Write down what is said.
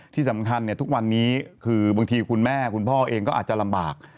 ที่สำคัญทุกวันนี้คือบางทีคุณแม่คุณพ่อเองก็อาจจะลำบาก